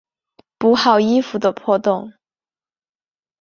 补好衣服的破洞